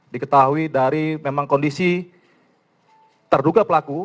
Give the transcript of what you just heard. diketahui dari memang kondisi terduga pelaku